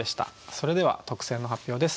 それでは特選の発表です。